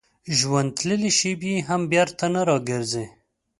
ژوند تللې شېبې هم بېرته نه راګرځي.